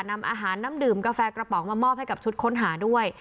นำอาหารน้ำดื่มกาแฟกระป๋องมามอบให้กับชุดค้นหาด้วย